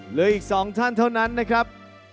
เหลืออีก๒ท่านเท่านั้นนะครับ